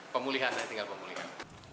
pemulihan tinggal pemulihan